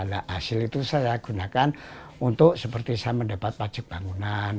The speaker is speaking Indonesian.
nah hasil itu saya gunakan untuk seperti saya mendapat pajak bangunan